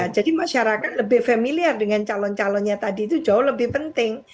jadi masyarakat lebih familiar dengan calon calonnya tadi itu jauh lebih penting